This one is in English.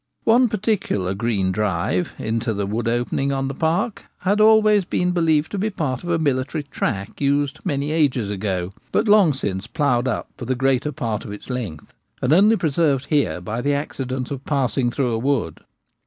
One particu lar green ' drive ' into the wood opening on the park had always been believed to be a part of a military track used many ages ago, but long since ploughed up for the greater part of its length, and only pre served here by the accident of passing through a wood.